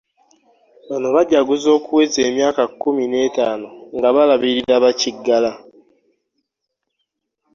Bano bajaguzza okuweza emyaka kkumi n'etaano nga balabirira bakiggala.